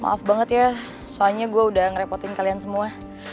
maaf banget ya soalnya gue udah ngerepotin kalian semua